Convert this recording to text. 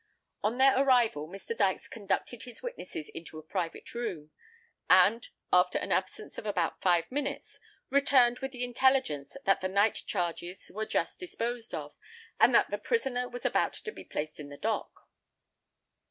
On their arrival, Mr. Dykes conducted his witnesses into a private room, and, after an absence of about five minutes, returned with the intelligence that the night charges were just disposed of, and that the prisoner was about to be placed in the dock.